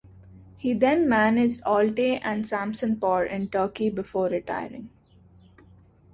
He then managed Altay and Samsunspor in Turkey before retiring.